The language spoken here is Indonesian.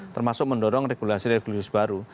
termasuk mendorong regulasi regulius baru